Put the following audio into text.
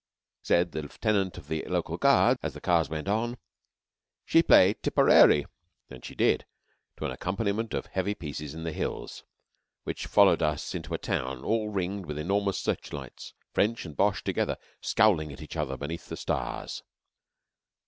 Said the lieutenant of local Guards as the cars went on: "She play Tipperary." And she did to an accompaniment of heavy pieces in the hills, which followed us into a town all ringed with enormous searchlights, French and Boche together, scowling at each other beneath the stars.